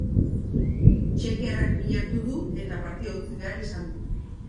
Txekiarrak min hartu du, eta partida utzi behar izan du.